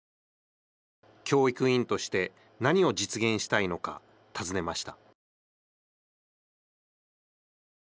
教育委員として何を実現したいのか尋ねました。